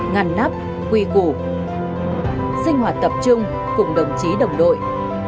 ngăn nắp quy củ sinh hoạt tập trung cùng đồng chí đồng đội